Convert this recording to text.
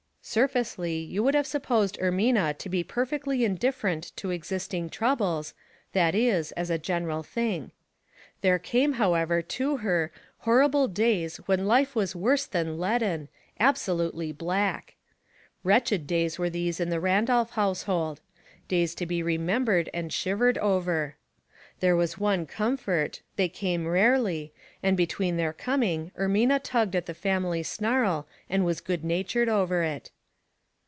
Surfacely you would have supposed Ermina to be perfectly indifferent to existing troubles, that is, as a general thing. There came, however, to her horrible days when life was worse than leaden, absolutely black. Wretched days were these in the Randolph household — days to be remembered and shivered over. There was one comfort, they came rarely, and between their coming Ermina tugged at the family snarl and was good natured over it.